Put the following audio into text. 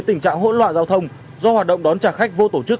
tình trạng hỗn loạn giao thông do hoạt động đón trả khách vô tổ chức